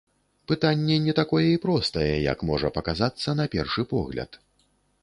Пытанне не такое і простае, як можа паказацца на першы погляд.